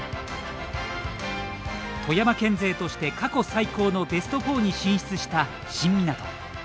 富山県勢として過去最高のベスト４に進出した新湊。